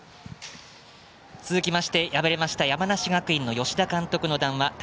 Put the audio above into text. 続きまして敗れました山梨学院の吉田監督の談話